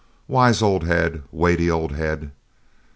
Wise old head! weighty old head!